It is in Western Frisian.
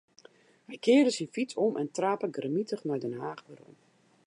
Hy kearde syn fyts om en trape grimmitich nei Den Haach werom.